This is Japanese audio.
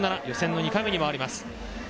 予選の２回目に回ります。